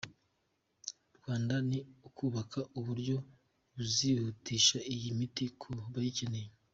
Rwanda ni ukubaka uburyo buzihutisha iyi miti ku bayikeneye.